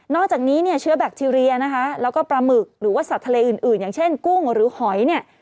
จากนี้เนี่ยเชื้อแบคทีเรียนะคะแล้วก็ปลาหมึกหรือว่าสัตว์ทะเลอื่นอย่างเช่นกุ้งหรือหอยเนี่ย